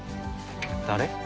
誰？